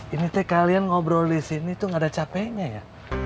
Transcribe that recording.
ini teh kalian ngobrol di sini tuh gak ada capeknya ya